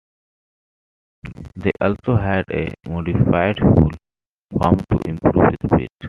They also had a modified hull form to improve speed.